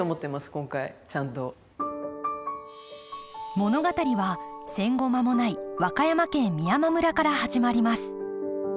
物語は戦後間もない和歌山県美山村から始まります。